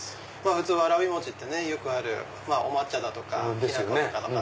普通わらび餅ってよくあるお抹茶だとかきな粉とか。